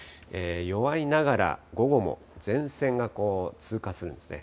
弱いながら午後も前線が通過するんですね。